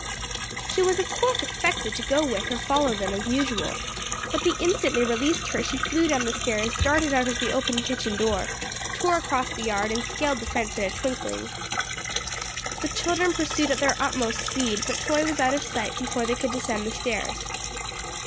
She was of course expected to go with or follow them as usual; but the instant they released her she flew down the stairs, darted out of the open kitchen door, tore across the yard and scaled the fence in a twinkling. The children pursued at their utmost speed, but Toy was out of sight before they could descend the stairs.